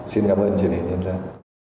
xin cảm ơn truyền hình nhân dân